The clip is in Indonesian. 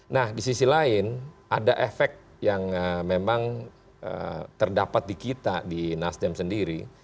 nah di sisi lain ada efek yang memang terdapat di kita di nasdem sendiri